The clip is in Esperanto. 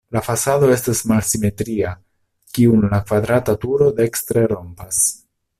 La fasado estas malsimetria, kiun la kvadrata turo dekstre rompas.